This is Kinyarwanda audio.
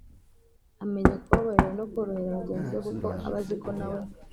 amenya kubabarira no korohera bagenzi be kuko aba azi ko na we